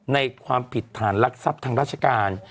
ในความผิดฐานรักษัพทางราชการ